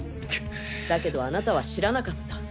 だけどあなたは知らなかった。